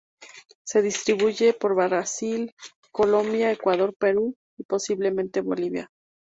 Se distribuye por Brasil, Colombia, Ecuador, Perú y posiblemente Bolivia.